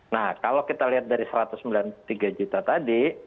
nah kalau kita lihat dari satu ratus sembilan puluh tiga juta tadi